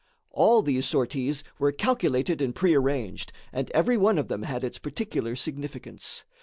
All those sorties were calculated and prearranged, and every one of them had its particular significance.